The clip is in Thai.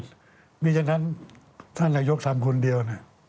คือมีฉะนั้นท่านยกสามคนเดียว